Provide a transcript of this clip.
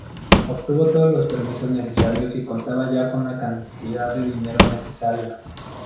Obtuvo todos los permisos necesarios y contaba ya con la cantidad de dinero necesaria.